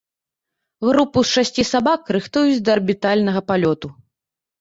Групу з шасці сабак рыхтуюць да арбітальнага палёту.